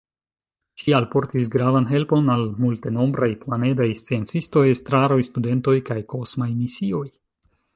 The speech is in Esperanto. Ŝi alportis gravan helpon al multenombraj planedaj sciencistoj, estraroj, studentoj kaj kosmaj misioj.